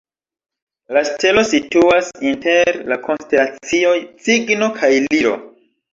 La stelo situas inter la konstelacioj Cigno kaj Liro.